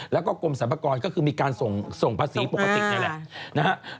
แล้วก็กรมสรรพากรก็คือมีการส่งพะสีปกติไล่